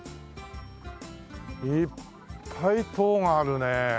いっぱい棟があるね。